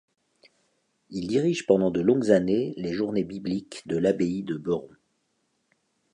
Il dirige pendant de longues années les journées bibliques de l'abbaye de Beuron.